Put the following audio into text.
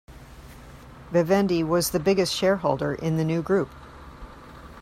Vivendi was the biggest shareholder in the new group.